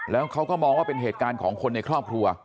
แล้วเขาก็มองว่าเป็นเหตุการณ์ของคนในครอบครัว